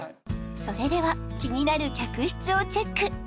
それでは気になる客室をチェック